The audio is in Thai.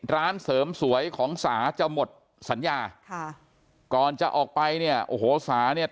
ร้านเสริมสวยของสาจะหมดสัญญาค่ะก่อนจะออกไปเนี่ยโอ้โหสาเนี่ย